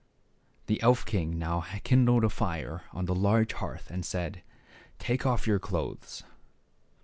The elf king now kindled a fire on the large hearth and said, "Take off your clothes."